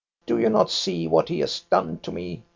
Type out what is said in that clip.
Do you not see what he has done to me